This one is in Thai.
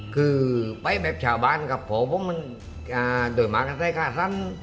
คือไปแบบชาวบ้านก็โดยมากครับค่ะ